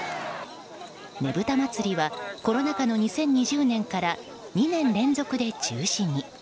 ねぶた祭はコロナ禍の２０２０年から２年連続で中止に。